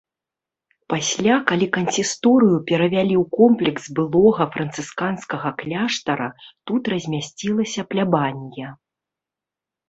Пасля, калі кансісторыю перавялі ў комплекс былога францысканскага кляштара, тут размясцілася плябанія.